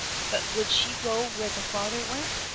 But would she go where the father went?